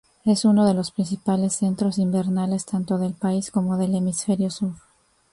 Es uno de los principales centros invernales tanto del país como del hemisferio sur.